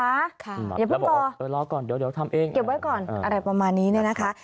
แล้วบอกรอก่อนเดี๋ยวทำเองเก็บไว้ก่อนอะไรประมาณนี้นะครับ